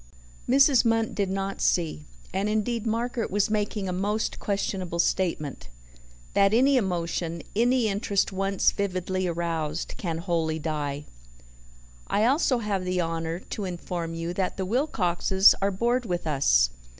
Mrs. Munt did not see, and indeed Margaret was making a most questionable statement that any emotion, any interest once vividly aroused, can wholly die. "I also have the honour to inform you that the Wilcoxes are bored with us.